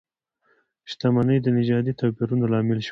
شتمنۍ د نژادي توپیرونو لامل شوه.